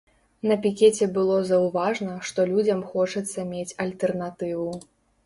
На пікеце было заўважна, што людзям хочацца мець альтэрнатыву.